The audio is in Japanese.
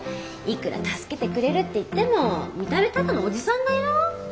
いくら助けてくれるっていっても見た目ただのおじさんだよ？